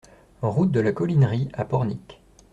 Route de la Colinerie à Pornic